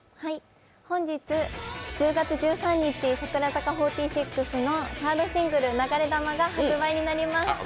本日、１０月１３日、櫻坂４６のサードシングル「流れ弾」が発売になります。